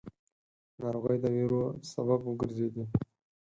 ناروغۍ د وېرو سبب وګرځېدې.